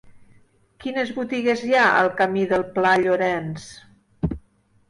Quines botigues hi ha al camí del Pla Llorenç?